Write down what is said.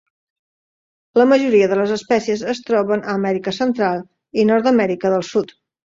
La majoria de les espècies es troben a Amèrica Central i nord d'Amèrica del Sud.